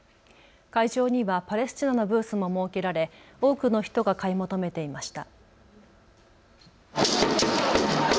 会場にはパレスチナのブースも設けられ多くの人が買い求めていました。